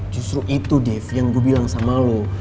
justru itu dev yang gua bilang sama lo